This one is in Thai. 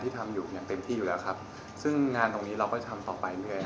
ทำอยู่อย่างเต็มที่อยู่แล้วครับซึ่งงานตรงนี้เราก็จะทำต่อไปเรื่อย